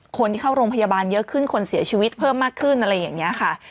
คนที่เข้าโรงพยาบาลเยอะขึ้นคนเสียชีวิตเพิ่มมากขึ้นอะไรอย่างนี้ค่ะ